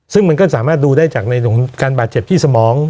ซึ่งมันก็สามารถดูได้จากการบาดเจ็บที่สมอง